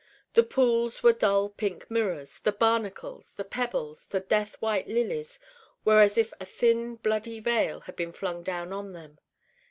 The pools were dull Pink mirrors. The barnacles, the pebbles, the death white lilies were as if a thin bloody veil had been flung down on them.